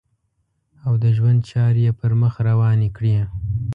او د ژوند چارې یې پر مخ روانې کړې.